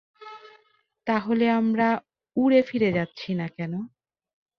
তাহলে আমরা উড়ে ফিরে যাচ্ছি না কেন?